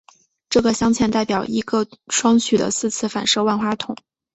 这个镶嵌代表一个双曲的四次反射万花筒。